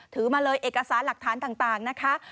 ถือมาเลยเอกสารหลักฐานต่างนะคะ